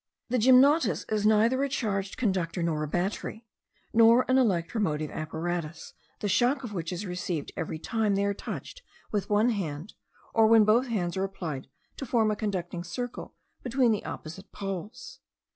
The gymnotus is neither a charged conductor, nor a battery, nor an electromotive apparatus, the shock of which is received every time they are touched with one hand, or when both hands are applied to form a conducting circle between the opposite poles.